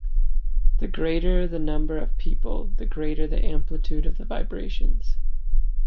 The greater the number of people, the greater the amplitude of the vibrations.